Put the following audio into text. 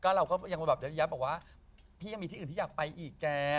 เราก็ยับออกว่าพี่ยังมีที่อื่นที่อยากไปอีกแก